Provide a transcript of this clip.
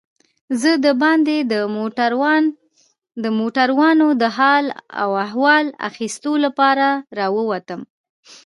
زه دباندې د موټرانو د حال و احوال اخیستو لپاره راووتم.